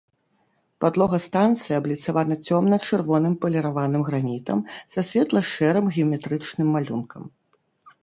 Падлога станцыі абліцавана цёмна-чырвоным паліраваным гранітам са светла-шэрым геаметрычным малюнкам.